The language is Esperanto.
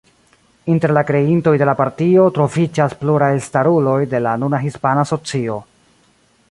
Inter la kreintoj de la partio troviĝas pluraj elstaruloj de la nuna hispana socio.